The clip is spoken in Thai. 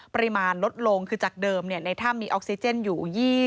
ปริมาณลดลงคือจากเดิมในถ้ำมีออกซิเจนอยู่